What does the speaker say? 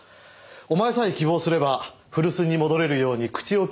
お前さえ希望すれば古巣に戻れるように口を利いてやってもいい。